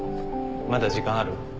まだ時間ある？